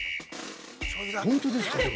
◆本当ですか。